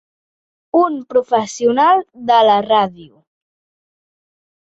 Un professional de la ràdio.